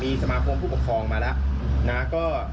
มีสมาธิพวกผู้ปกครองมาแล้ว